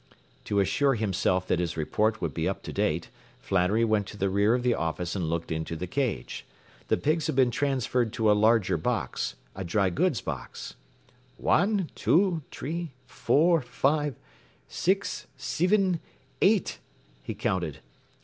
” To assure himself that his report would be up to date, Flannery went to the rear of the office and looked into the cage. The pigs had been transferred to a larger box a dry goods box. “Wan, two, t'ree, four, five, six, sivin, eight!” he counted.